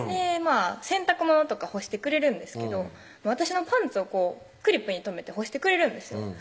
洗濯物とか干してくれるんですけど私のパンツをクリップに留めて干してくれるんですよ